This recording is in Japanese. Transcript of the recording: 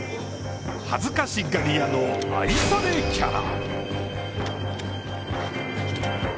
恥ずかしがり屋の愛されキャラ。